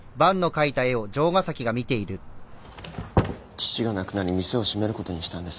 父が亡くなり店を閉めることにしたんです。